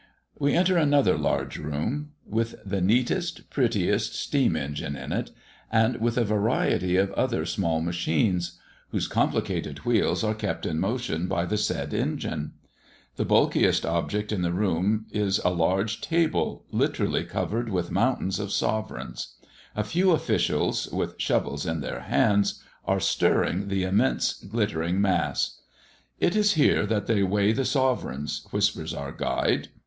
We enter another large room, with the neatest, prettiest steam engine in it, and with a variety of other small machines, whose complicated wheels are kept in motion by the said engine. The bulkiest object in the room is a large table, literally covered with mountains of sovereigns. A few officials, with shovels in their hands, are stirring the immense glittering mass. "It is here that they weigh the sovereigns," whispers our guide.